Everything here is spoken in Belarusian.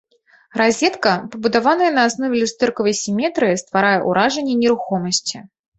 Разетка, пабудаваная на аснове люстэркавай сіметрыі, стварае ўражанне нерухомасці.